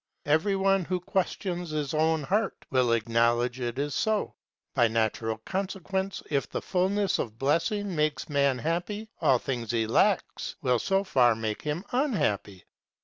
Every one who questions his own heart will acknowledge it is so. By natural consequence if the fulness of blessing makes man happy, all things he lacks will so far make him unhappy.